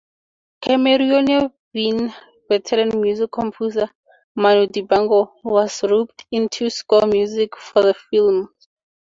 Cameroonian veteran music composer Manu Dibango was roped into score music for the film.